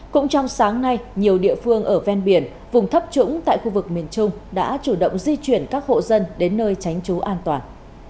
cũng trong sáng nay nhiều địa phương ở ven biển vùng thấp trũng tại khu vực miền trung đã chủ động di chuyển các hộ dân đến nơi tránh trú an toàn